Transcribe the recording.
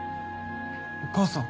お母さん。